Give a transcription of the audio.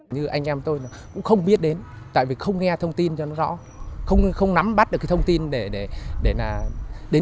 như anh em tôi cũng không biết đến tại vì không nghe thông tin cho nó rõ không nắm bắt được cái thông tin để đến